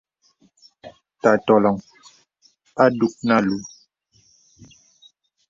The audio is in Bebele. Tā tɔləŋ a dùk nə àlùù.